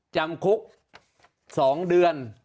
จำคุก๒เดือน